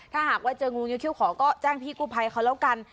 ถ้าหากว่าเจองูเงี้ยเขี้ยขอก็แจ้งพี่กู้ภัยเขาแล้วกัน